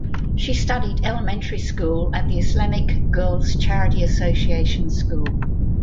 She studied elementary school at the Islamic Girls Charity Association School.